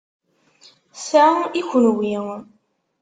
Ta i kenwi.